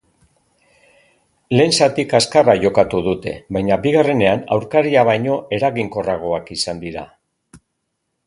Lehen zati kaskarra jokatu dute, baina bigarrenean aurkaria baino erangikorragoak izan dira.